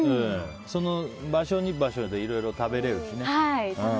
その場所、場所でいろいろ食べられるしね。